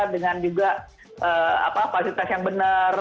dengan juga fasilitas yang benar